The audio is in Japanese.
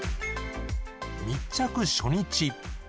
密着初日